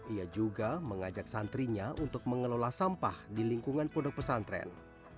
ia juga mengajak santrinya untuk mengelola sampah di lingkungan pondok pesantren